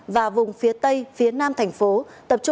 và vùng phía tây phía nam thành phố